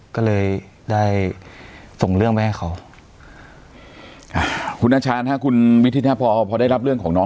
ก็เลยได้ส่งเรื่องไปให้เขาอ่าคุณอาชาญฮะคุณมิธินะพอพอได้รับเรื่องของน้อง